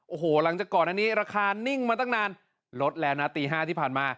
โอ้โหหลังจากก่อนอันนี้ราคานิ่งมาตั้งนานลดแล้วนะตี๕ที่ผ่านมา